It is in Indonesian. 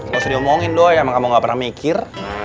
lo seri omongin doang ya emang kamu nggak pernah mikir